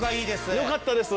よかったです！